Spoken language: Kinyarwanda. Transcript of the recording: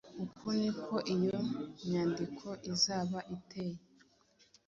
uku niko iyo nyandiko izaba iteye